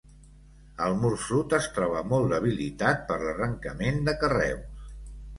El mur sud es troba molt debilitat per l'arrencament de carreus.